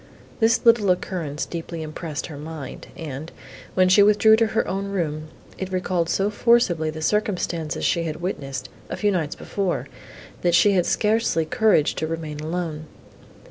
This little occurrence deeply impressed her mind, and, when she withdrew to her own room, it recalled so forcibly the circumstances she had witnessed, a few nights before, that she had scarcely courage to remain alone.